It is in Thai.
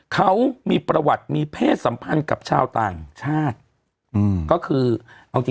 เขามีประวัติมีเพศสัมพันธ์กับชาวต่างชาติ